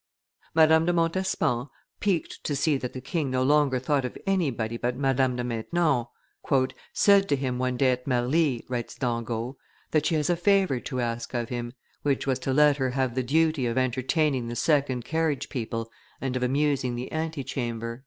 Madame de Montespan, piqued to see that the king no longer thought of anybody but Madame de Maintenon, "said to him one day at Marly," writes Dangeau, "that she has a favor to ask of him, which was to let her have the duty of entertaining the second carriage people and of amusing the antechamber."